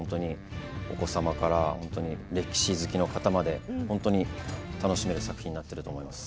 お子様から歴史好きの方まで楽しめる作品になってると思います。